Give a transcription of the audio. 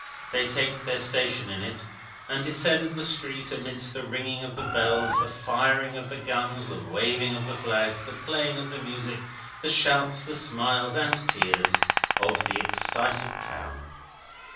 They take their station in it, and descend the street amidst the ringing of the bells, the firing of the guns, the waving of the flags, the playing of the music, the shouts, the smiles, and tears, of the excited town.